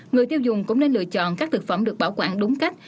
người tiêu dùng cũng nên lựa chọn các thực phẩm được bảo quản đúng cách